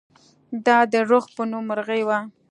دا د رخ په نوم مرغۍ وه.